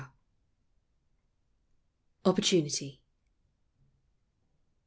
OPPORTUNITY.